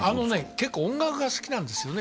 結構音楽が好きなんですよね